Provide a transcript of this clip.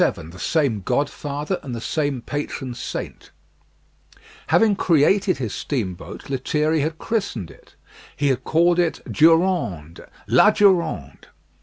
VII THE SAME GODFATHER AND THE SAME PATRON SAINT Having created his steamboat, Lethierry had christened it: he had called it Durande "La Durande."